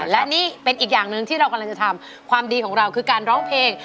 และนี่เป็นอีกอย่างหนึ่งที่เรากำลังจะทำความดีของเราคือการร้องเพลง